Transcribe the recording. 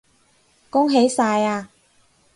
恭喜晒呀